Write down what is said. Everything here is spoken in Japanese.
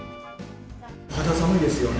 肌寒いですよね。